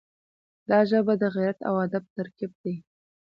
دا ژبه د غیرت او ادب ترکیب دی.